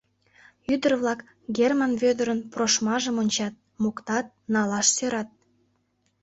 Ӱдыр-влак Герман Вӧдырын прошмажым ончат, моктат, налаш сӧрат.